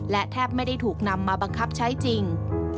และแทบไม่ได้ถูกนำมาบังคับใช้จริง